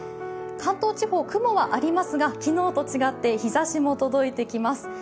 関東地方、雲はありますが、昨日と違って日ざしも届いてきます。